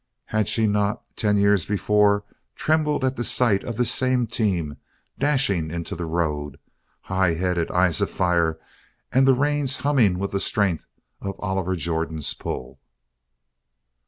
Had she not, ten years before, trembled at the sight of this same team dashing into the road, high headed, eyes of fire, and the reins humming with the strength of Oliver Jordan's pull?